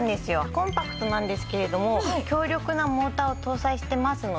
コンパクトなんですけれども強力なモーターを搭載してますので。